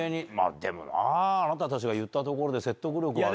でもなぁ、あなたたちがいったところで説得力はね。